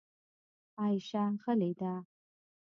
عایشه غلې ده .